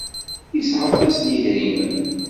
Yesɛa aṭas n yedrimen.